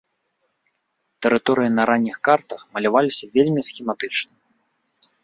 Тэрыторыі на ранніх картах маляваліся вельмі схематычна.